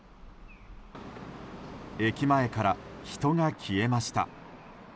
駅前から人が消えました。